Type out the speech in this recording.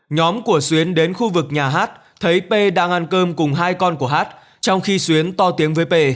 nhóm của xuyến đến khu vực nhà hát thấy p đang ăn cơm cùng hai con của hát trong khi xuyến to tiếng với p